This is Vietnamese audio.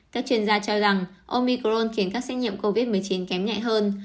các chuyên gia cho rằng omicron khiến các xét nghiệm covid một mươi chín kém nhẹ hơn